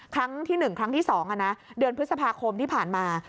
ครั้งที่๑ครั้งที่๒เดือนพฤษภาคมที่ผ่านมา